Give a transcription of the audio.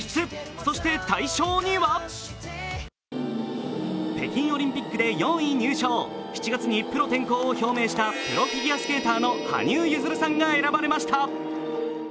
そして大賞には北京オリンピックで４位入賞、７月にプロ転向を表明したプロフィギュアスケーターの羽生結弦さんが選ばれました。